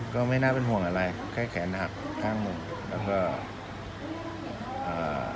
ก็ไม่น่าเป็นห่วงอะไรแค่แขนหักข้างหนึ่งแล้วก็อ่า